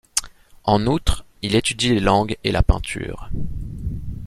En outre, il étudie les langues et la peinture.